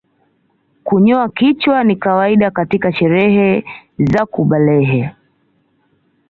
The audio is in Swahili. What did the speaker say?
Kunyoa kichwa ni kawaida katika sherehe za kubalehe